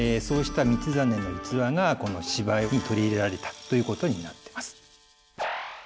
そうした道真の逸話がこの芝居に取り入れられたということになっています。